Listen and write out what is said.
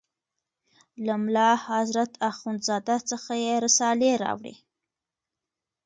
له ملا حضرت اخوند زاده څخه یې رسالې راوړې.